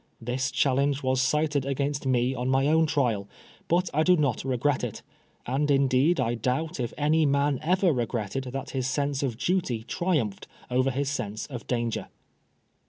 This challenge was cited against me on my own trial, but I do not regret it ; and indeed I doubt if any man ever regretted that his sense of duty triumphed over his sense of danger.